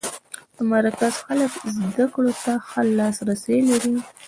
د مرکز خلک زده کړو ته ښه لاس رسی لري.